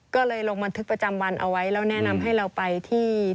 ก็เลยลงบันทึกประจำวันเอาไว้แล้วแนะนำให้เราไปที่